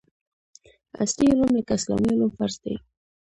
عصري علوم لکه اسلامي علوم فرض دي